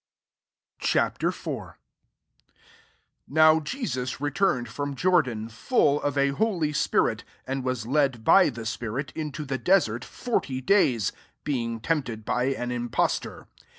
» Ch. IV. 1 NOW Jesus re turned from Jordan, full of a holjT spirit, and was led by the I spirit into the desert forty days, being tempted by an impost or.